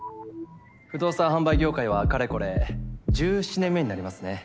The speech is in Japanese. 不動産販売業界はかれこれ１７年目になりますね。